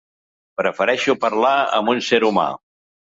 Prefereixo parlar amb un ser humà.